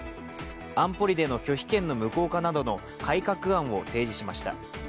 安保理での拒否権の無効化などの改革案を提示しました。